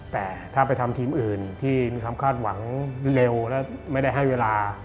แต่ถ้าไปทำทีมอื่นที่มีความคาดหวังเร็วและไม่ได้ให้เวลา